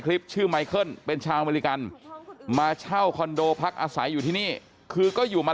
คลิปชื่อไมเคิลเป็นชาวอเมริกันมาเช่าคอนโดพักอาศัยอยู่ที่นี่คือก็อยู่มา